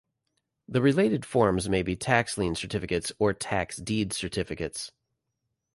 The related forms may be tax lien certificates or tax deed certificates.